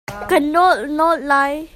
Ka nolh nolh lai.